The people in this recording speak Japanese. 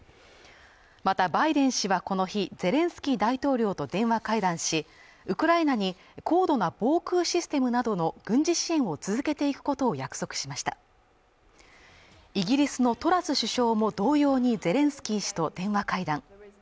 またバイデン氏はこの日ゼレンスキー大統領と電話会談しウクライナに高度な防空システムなどの軍事支援を続けていくことを約束しましたイギリスのトラス首相も同様にゼレンスキー氏と電話会談